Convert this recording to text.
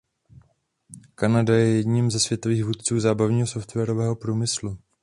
Kanada je i jedním ze světových vůdců zábavního softwarového průmyslu.